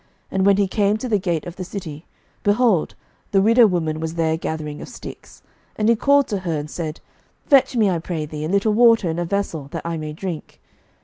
And when he came to the gate of the city, behold, the widow woman was there gathering of sticks: and he called to her, and said, Fetch me, I pray thee, a little water in a vessel, that I may drink.